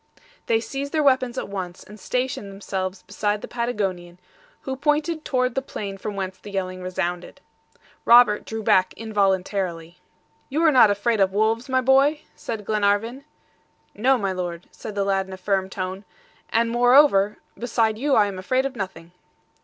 They seized their weapons at once, and stationed themselves beside the Patagonian, who pointed toward the plain from whence the yelling resounded. Robert drew back involuntarily. "You are not afraid of wolves, my boy?" said Glenarvan. "No, my Lord," said the lad in a firm tone, "and moreover, beside you I am afraid of nothing."